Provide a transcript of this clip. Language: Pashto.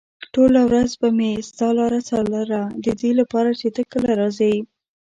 ټوله ورځ به مې ستا لاره څارله ددې لپاره چې ته کله راځې.